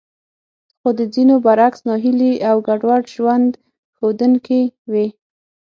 خو د ځينو برعکس ناهيلي او ګډوډ ژوند ښودونکې وې.